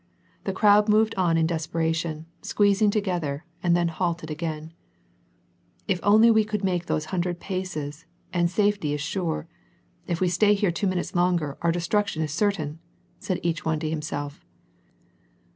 The crowd moved on iir desperation, squeezing together, and tlien baited again. '^If we could only make those hundred paces, and safety is sure ; if we stay here two minutes longer our destruction is certain !" said each one to himself.